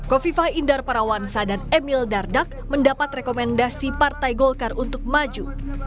kofifah indar parawansa dan emil dardak mendapat rekomendasi partai golkar untuk maju